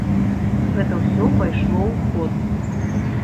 Гэта ўсё пайшло ў ход.